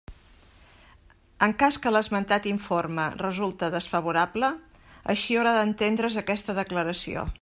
En cas que l'esmentat informe resulte desfavorable, així haurà d'entendre's aquesta declaració.